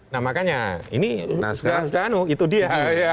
nah makanya ini sudah anu itu dia